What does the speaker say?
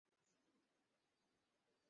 কী বলেছে আগামাথা কিছু বুঝেছিস?